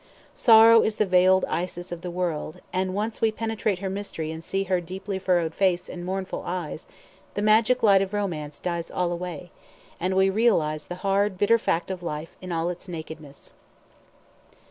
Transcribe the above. Sorrow is the veiled Isis of the world, and once we penetrate her mystery and see her deeply furrowed face and mournful eyes, the magic light of romance dies all away, and we realise the hard bitter fact of life in all its nakedness.